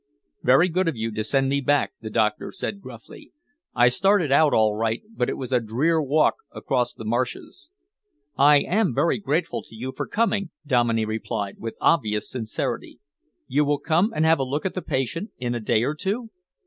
"Very good of you to send me back," the doctor said gruffly. "I started out all right, but it was a drear walk across the marshes." "I am very grateful to you for coming," Dominey replied, with obvious sincerity. "You will come and have a look at the patient in a day or two?"